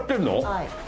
はい。